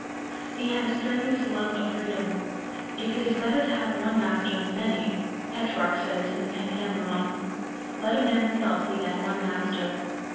He had a strenuous love of freedom ; if it is better to have one master than many, Petrarch says in the Pentameron, let a man's self be that one master.